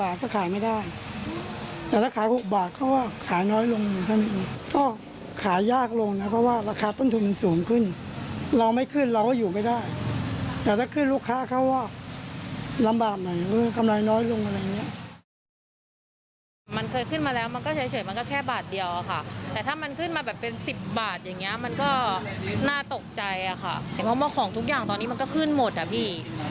อะไรอ่ะค่ะเพราะว่าของทุกอย่างตอนนี้มันก็ขึ้นหมดอ่ะพี่